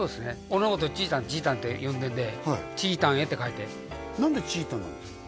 俺のことちーたんちーたんって呼んでるんで「ちーたんへ」って書いて何でちーたんなんですか？